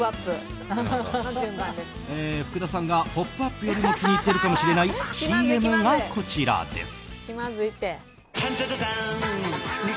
福田さんが「ポップＵＰ！」よりも気に入っているかもしれないＣＭがこちらです。